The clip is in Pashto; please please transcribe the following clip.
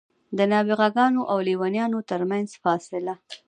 د نابغه ګانو او لېونیانو ترمنځ فاصله.